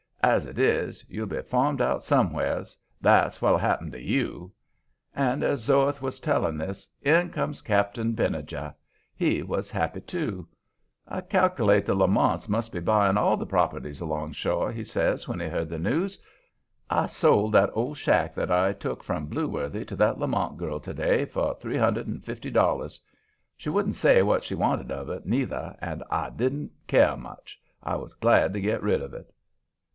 As it is, you'll be farmed out somewheres that's what'll happen to YOU.'" And as Zoeth was telling this, in comes Cap'n Benijah. He was happy, too. "I cal'late the Lamonts must be buying all the property alongshore," he says when he heard the news. "I sold that old shack that I took from Blueworthy to that Lamont girl to day for three hundred and fifty dollars. She wouldn't say what she wanted of it, neither, and I didn't care much; I was glad to get rid of it."